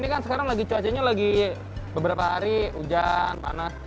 ini kan sekarang lagi cuacanya lagi beberapa hari hujan panas